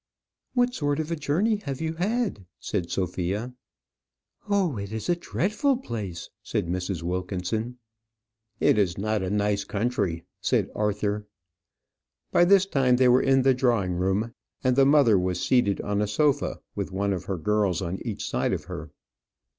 "What sort of a journey have you had?" said Sophia. "Oh, it is a dreadful place!" said Mrs. Wilkinson. "It is not a nice country," said Arthur. By this time they were in the drawing room, and the mother was seated on a sofa, with one of her girls on each side of her.